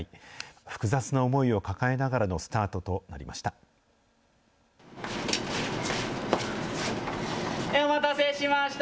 複雑な思いを抱えながらのスタートとなりました。